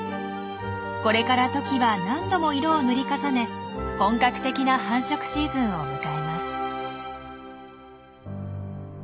これからトキは何度も色を塗り重ね本格的な繁殖シーズンを迎えます。